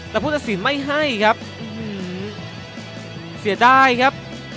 แต่ผู้ตัดสินไม่ให้ครับเสียดายครับ